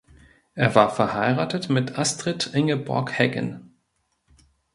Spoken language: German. Er war verheiratet mit Astrid Ingeborg Heggen.